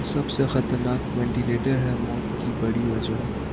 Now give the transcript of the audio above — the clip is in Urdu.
سب سے خطرناک ونٹیلیٹر ہے موت کی بڑی وجہ ۔